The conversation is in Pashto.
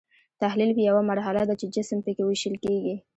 تحلیل یوه مرحله ده چې جسم پکې ویشل کیږي.